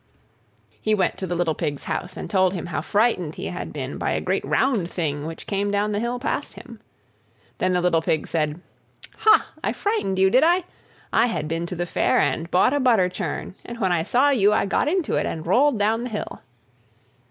He went to the little Pig's house, and told him how frightened he had been by a great round thing which came down the hill past him. Then the little Pig said, "Hah! I frightened you, did I? I had been to the Fair and bought a butter churn, and when I saw you I got into it, and rolled down the hill."